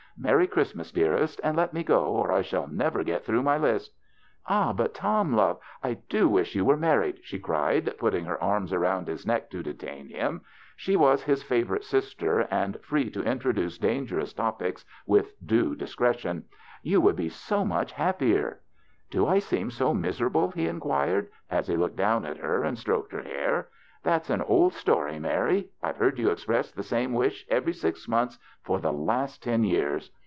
Merry Chiistmas, dearest, and let me go, or I shall never get through my list." " Ah, but, Tom love, I do wish you were married," she cried, putting her arms around his neck to detain him. She was his favor ite sister, and free to introduce dangerous topics with due discretion. " You would be so much happier." '' Do I seem so miserable ?" he inquired, as he looked down at her and stroked her hair. "That's an old story, Mary. I've heard you express the same wish every six months for the last ten years.